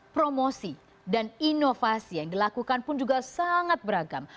promosi dan inovasi yang dilakukan pun juga sangat beragam